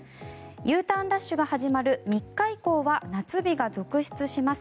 Ｕターンラッシュが始まる３日以降は夏日が続出します。